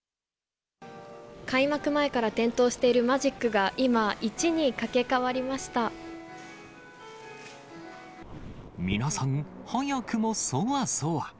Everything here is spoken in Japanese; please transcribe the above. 開幕前から点灯しているマジ皆さん、早くもそわそわ。